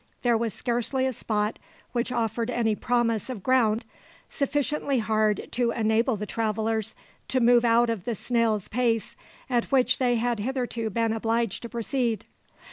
There was scarcely a spot which offered any promise of ground sufficiently hard to enable the travellers to move out of the snail's pace at which they had hitherto been obliged to proceed.